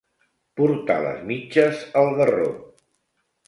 Portar les mitges al garró.